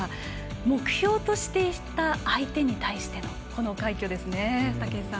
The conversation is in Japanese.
目標としていた相手に対してのこの快挙ですね、武井さん。